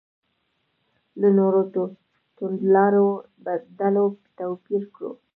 له نورو توندلارو ډلو توپیر کړو.